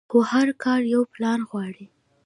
خو هر کار يو پلان غواړي.